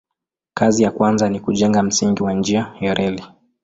Kazi ya kwanza ni kujenga msingi wa njia ya reli.